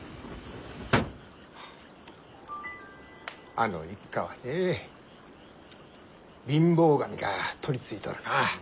あの一家はねえ貧乏神が取りついとるな。